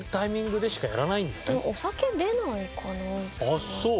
ああそう。